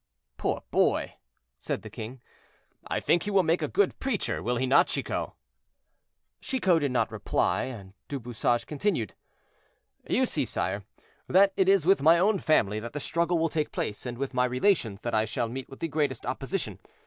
"Poor boy!" said the king. "I think he will make a good preacher; will he not, Chicot?" Chicot did not reply. Du Bouchage continued: "You see, sire, that it is with my own family that the struggle will take place, and with my relations that I shall meet with the greatest opposition.